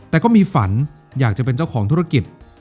แต่ก็มีฝันอยากจะเป็นเจ้าของธุรกิจ